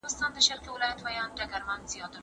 د مطالعې نسل ټولنه د سياسي جمود له کنګل څخه باسي.